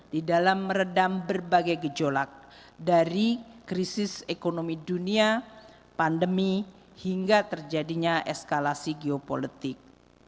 di dalam meredam berbagai gejolak dari krisis ekonomi dunia pandemi hingga terjadinya eskalasi geopolitik